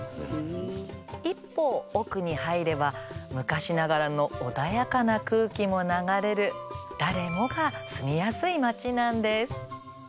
一歩奥に入れば昔ながらの穏やかな空気も流れる誰もが住みやすい街なんです。